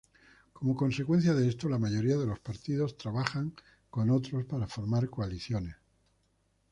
Como consecuencia de esto, la mayoría de partidos trabajan con otros para formar coaliciones.